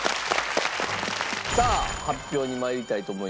さあ発表に参りたいと思います。